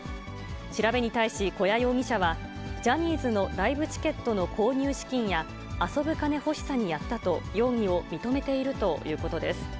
調べに対し古屋容疑者は、ジャニーズのライブチケットの購入資金や遊ぶ金欲しさにやったと、容疑を認めているということです。